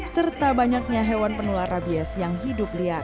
serta banyaknya hewan penular rabies yang hidup liar